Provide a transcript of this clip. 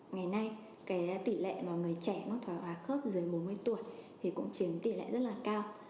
ngày nay cái tỷ lệ mà người trẻ nó thói hóa khớp dưới bốn mươi tuổi thì cũng chiến tỷ lệ rất là cao